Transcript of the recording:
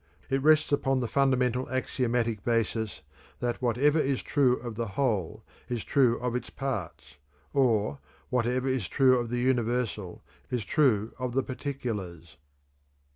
It rests upon the fundamental axiomatic basis that "whatever is true of the whole is true of its parts," or "whatever is true of the universal is true of the particulars."